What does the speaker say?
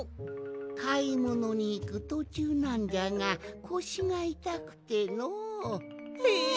かいものにいくとちゅうなんじゃがこしがいたくての。え？